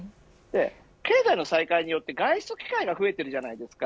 経済の再開によって外出機会が増えています。